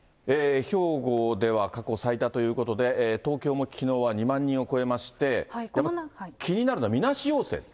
兵庫では、過去最多ということで、東京もきのうは２万人を超えまして、気になるのはみなし陽性。